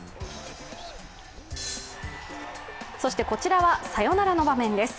そして、こちらはサヨナラの場面です。